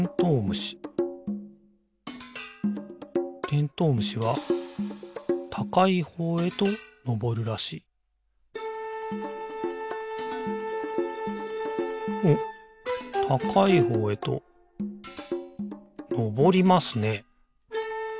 虫てんとう虫はたかいほうへとのぼるらしいおったかいほうへとのぼりますね。